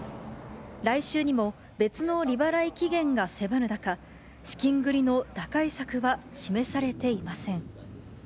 来週にも別の利払い期限が迫る中、資金繰りの打開策は示されていません。